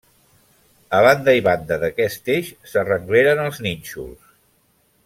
A banda i banda d'aquest eix s'arrengleren els nínxols.